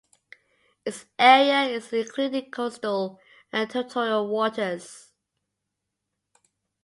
Its area is including coastal and territorial waters.